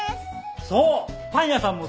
そうパン屋さんもそうですね。